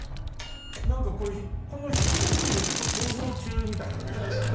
何かこれこの引きだけで見ると『逃走中』みたいよね。